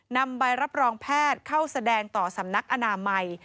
นำใบรับรองแพทย์เข้าแสดงต่อสำนักอนามัย